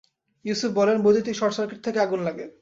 ইউসুফ বলেন, বৈদ্যুতিক শর্টসার্কিট থেকে আগুন লাগে।